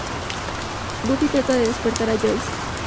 Buffy trata de despertar a Joyce.